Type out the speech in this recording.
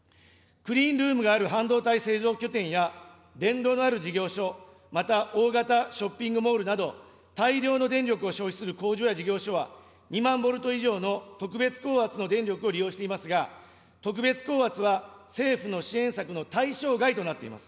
クリーンルームがある半導体製造拠点や電炉のある事業所、また、大型ショッピングモールなど、大量の電力を消費する工場や事業所は、２万ボルト以上の特別高圧の電力を利用していますが、特別高圧は政府の支援策の対象外となっております。